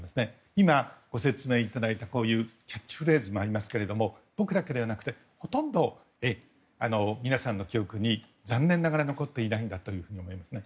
今ご説明いただいた、こういうキャッチフレーズもありますが僕だけではなくほとんど皆さんの記憶に残念ながら残っていないんだと思いますね。